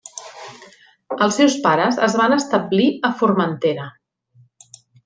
Els seus pares es van establir a Formentera.